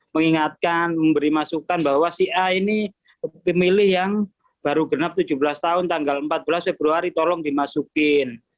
mengingatkan memberi masukan bahwa si a ini pemilih yang baru genap tujuh belas tahun tanggal empat belas februari tolong dimasukin